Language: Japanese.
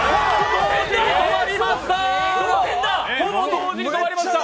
同時に止まりました！